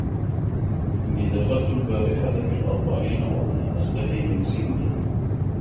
إنِّي دَخَلْت الْبَارِحَةَ فِي الْأَرْبَعِينَ وَأَنَا أَسْتَحِي مِنْ سِنِي